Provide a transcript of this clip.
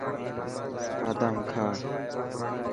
بادام کا.